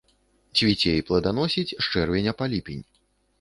Цвіце і плоданасіць з чэрвеня па ліпень.